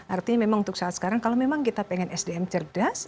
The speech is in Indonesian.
artinya memang untuk saat sekarang kalau memang kita pengen sdm cerdas